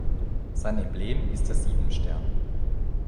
Sein Emblem ist der Siebenstern.